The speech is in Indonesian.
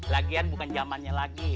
lagian bukan zamannya lagi